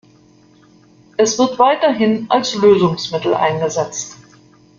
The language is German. Es wird weiterhin als Lösungsmittel eingesetzt.